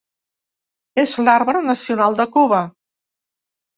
És l'arbre nacional de Cuba.